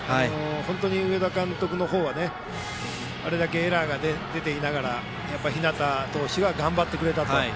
本当に上田監督の方はあれだけエラーが出ていながら日當投手が頑張ってくれたと。